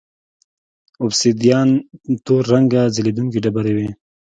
اوبسیدیان تور رنګه ځلېدونکې ډبرې وې